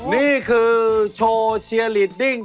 นี่คือโชว์เชียร์ลีดดิ้ง